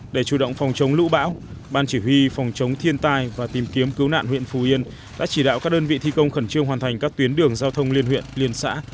để chủ động phòng chống lũ bão ban chỉ huy phòng chống thiên tai và tìm kiếm cứu nạn huyện phù yên đã chỉ đạo các đơn vị thi công khẩn trương hoàn thành các tuyến đường giao thông liên huyện liên xã